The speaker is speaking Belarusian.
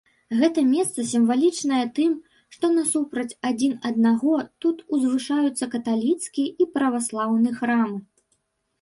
Гэта месца сімвалічнае тым, што насупраць адзін аднаго тут узвышаюцца каталіцкі і праваслаўны храмы.